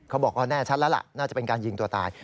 บอกว่าแน่ชัดแล้วล่ะน่าจะเป็นการยิงตัวตาย